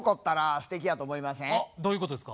どういうことですか？